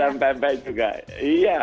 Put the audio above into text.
ada pempek juga iya